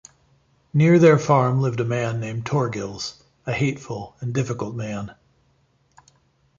Near their farm lived a man named Thorgils, a hateful and difficult man.